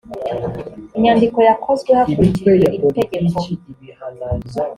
inyandiko yakozwe hakurikijwe iri tegeko